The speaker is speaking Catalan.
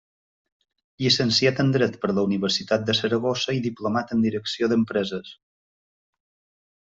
Llicenciat en dret per la Universitat de Saragossa i diplomat en direcció d'empreses.